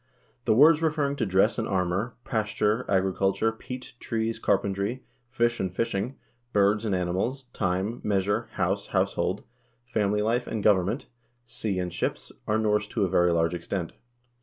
The words referring to dress and armor, pasture, agriculture, peat, trees, carpentry, fish and fishing, birds and animals, time, measure, house, household, family life and govern ment, sea and ships, are Norse to a very large extent.